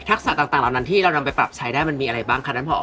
ทักษะต่างที่เรานำไปปรับใช้ได้มันมีอะไรบ้างคะท่านผอ